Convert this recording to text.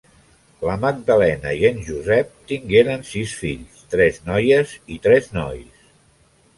La Magdalena i en Josep tingueren sis fills, tres noies i tres nois.